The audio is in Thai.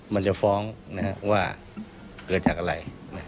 มันจะฟ้องว่ามันจะเกิดหากาลัย